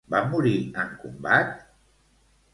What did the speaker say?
Va morir en combat?